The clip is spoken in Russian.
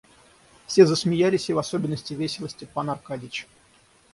Все засмеялись, и в особенности весело Степан Аркадьич.